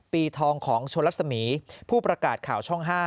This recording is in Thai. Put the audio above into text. ปีทองของชนลักษมีผู้ประกาศข่าวช่อง๕